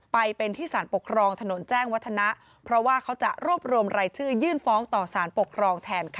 ไปเป็นที่สารปกครองถนนแจ้งวัฒนะเพราะว่าเขาจะรวบรวมรายชื่อยื่นฟ้องต่อสารปกครองแทนค่ะ